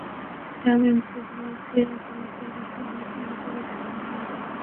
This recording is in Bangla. জামিন পেয়েই ফের আদালতের কাছে নতুন করে শুনানির আবেদন করেন তিনি।